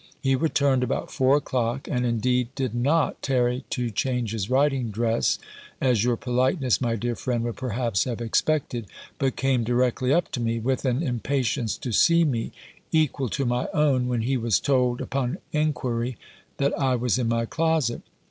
He returned about four o'clock, and indeed did not tarry to change his riding dress, as your politeness, my dear friend, would perhaps have expected; but came directly up to me, with an impatience to see me, equal to my own, when he was told, upon enquiry, that I was in my closet.